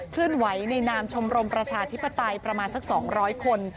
ไหวในนามชมรมประชาธิปไตยประมาณสัก๒๐๐คน